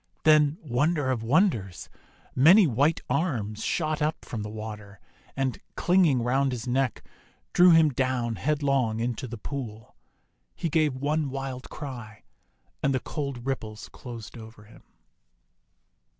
Then, wonder of winders! many white arms shot up from the water, and, clinging around his neck, drew him down head long into the pool. He gave one wild cry, and the cold ripples closed over him.